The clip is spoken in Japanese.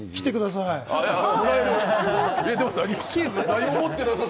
来てください。